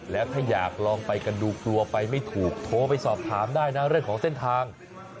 แล้วถ้าอยากลองไปกันดูกลัวไปไม่ถูกโทรไปสอบถามได้นะเรื่องของเส้นทาง